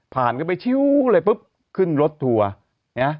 ผ่านก็ไปชิ้วเลยปึ๊บขึ้นรถทัวร์